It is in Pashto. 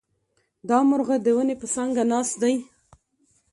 دا مرغه د ونې پر څانګه ناست دی.